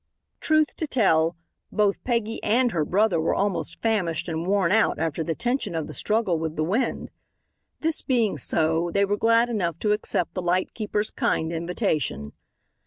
Truth to tell, both Peggy and her brother were almost famished and worn out after the tension of the struggle with the wind. This being so, they were glad enough to accept the light keeper's kind invitation.